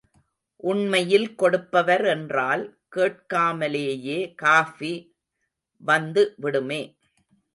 உண்மையில் கொடுப்பவர் என்றால், கேட்காமலேயே காஃபி வந்து விடுமே.